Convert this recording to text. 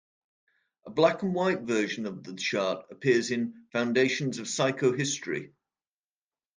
A black-and-white version of the chart appears in "Foundations of Psychohistory".